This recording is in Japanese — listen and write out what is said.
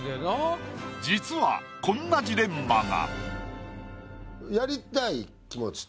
実はこんなジレンマが。